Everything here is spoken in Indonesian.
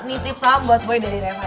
ini tip salam buat boy dari reva ya